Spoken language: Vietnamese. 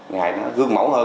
ngày nó gương mẫu hơn